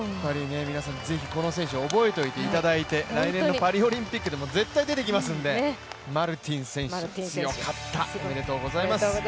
ぜひこの選手覚えておいていただいて来年のパリオリンピックでも絶対出てきますんで、マルティン選手、強かった、おめでとうございます。